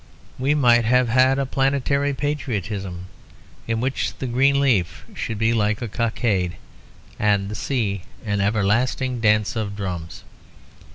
We might have had a planetary patriotism, in which the green leaf should be like a cockade, and the sea an everlasting dance of drums.